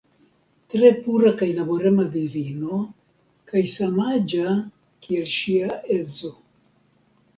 Tre pura kaj laborema virino kaj samaĝa kiel ŝia edzo.